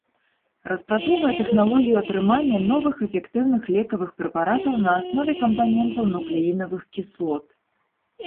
Распрацоўвае тэхналогію атрымання новых эфектыўных лекавых прэпаратаў на аснове кампанентаў нуклеінавых кіслот.